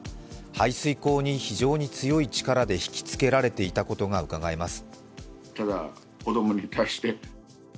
排水溝に非常に強い力で引きつけられていたことが分かります。